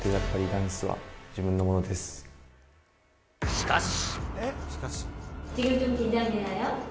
しかし。